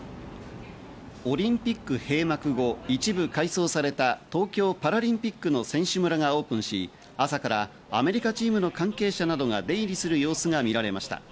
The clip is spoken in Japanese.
オリンピック閉幕後一部改装された東京パラリンピックの選手村がオープンし、朝からアメリカチームの関係者などが出入りする様子が見られました。